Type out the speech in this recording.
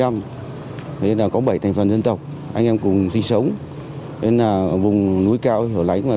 nên là có bảy thành phần dân tộc anh em cùng sinh sống nên là vùng núi cao hở lánh và địa bàn